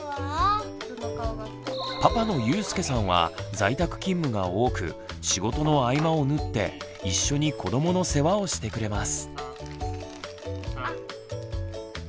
パパの佑輔さんは在宅勤務が多く仕事の合間を縫って一緒に子どもの世話をしてくれます。